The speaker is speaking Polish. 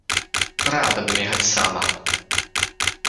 — Rada bym jechać sama.